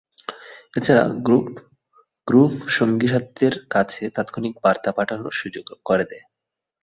এছাড়া, গ্রুভ সঙ্গীসাথিদের কাছে তাৎক্ষণিক বার্তা পাঠানোর সুযোগ করে দেয়।